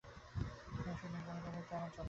দক্ষিণের এক সুন্দর জমিদারবাড়িতে আমার জন্ম।